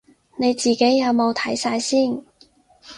你自己有冇睇晒先